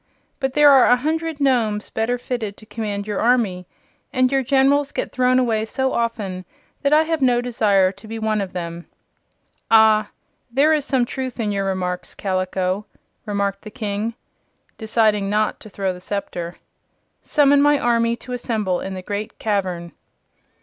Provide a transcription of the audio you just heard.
But there are a hundred Nomes better fitted to command your army, and your Generals get thrown away so often that I have no desire to be one of them." "Ah, there is some truth in your remarks, Kaliko," remarked the King, deciding not to throw the scepter. "Summon my army to assemble in the Great Cavern."